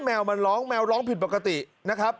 แมวมันร้องแมวร้องผิดปกตินะครับ